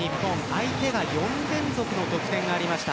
相手が４連続の得点がありました。